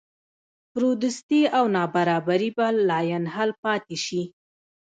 فرودستي او نابرابري به لاینحل پاتې شي.